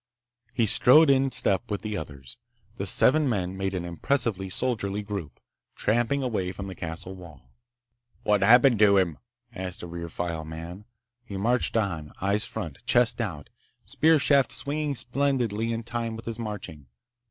He strode in step with the others. The seven men made an impressively soldierly group, tramping away from the castle wall. "What happened to him?" asked a rear file man. He marched on, eyes front, chest out, spear shaft swinging splendidly in time with his marching.